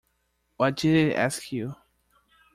What did it ask you?’